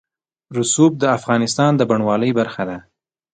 رسوب د افغانستان د بڼوالۍ برخه ده.